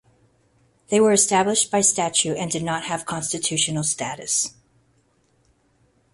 They were established by statute and did not have constitutional status.